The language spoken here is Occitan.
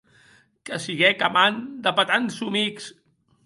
Que siguec a mand de petar en somics.